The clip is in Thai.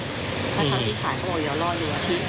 ได้ทำที่ขายเขาบอกอย่ารอ๑วันอาทิตย์